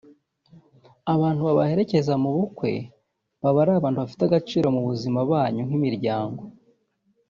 Abantu babaherekeza mu bukwe baba ari abantu babafitiye agaciro mu buzima banyu nk’imiryango